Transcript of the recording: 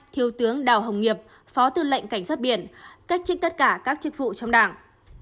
hai mươi hai thiếu tướng đào hồng nghiệp phó tư lệnh cảnh sát biển cách chức tất cả các chức vụ trong đảng